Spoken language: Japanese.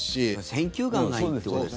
選球眼がいいってことですか。